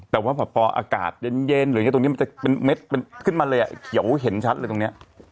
แต่ว่าพออากาศเย็นตรงนี้มันจะขึ้นมาเลยอ่ะเขียวเห็นชัดเลยตรงเนี้ย